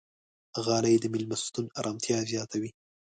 غالۍ د میلمستون ارامتیا زیاتوي.